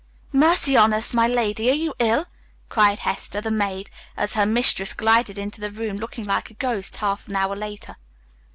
"Mercy on us, my lady, are you ill?" cried Hester, the maid, as her mistress glided into the room looking like a ghost, half an hour later.